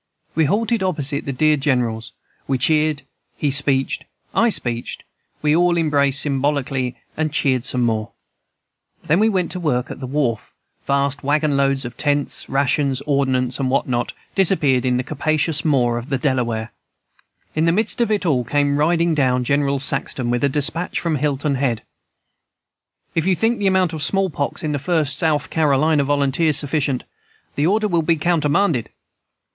We halted opposite the dear General's; we cheered, he speeched, I speeched, we all embraced symbolically, and cheered some more. Then we went to work at the wharf; vast wagon loads of tents, rations, ordnance, and what not disappeared in the capacious maw of the Delaware. In the midst of it all came riding down General Saxton with a despatch from Hilton Head: "'If you think the amount of small pox in the First South Carolina Volunteers sufficient, the order will be countermanded.'